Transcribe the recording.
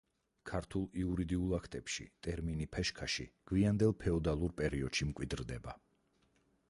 ქართულ იურიდიულ აქტებში ტერმინი „ფეშქაში“ გვიანდელ ფეოდალურ პერიოდში მკვიდრდება.